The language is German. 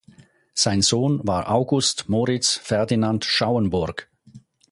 Sein Sohn war August Moritz Ferdinand Schauenburg.